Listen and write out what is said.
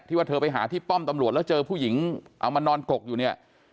ว่าเธอไปหาที่ป้อมตำรวจแล้วเจอผู้หญิงเอามานอนกกอยู่เนี่ย